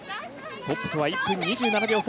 トップとは１分２７秒差